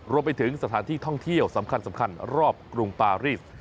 รวมไปถึงสถานที่ท่องเที่ยวสำคัญรอบกรุงปารีส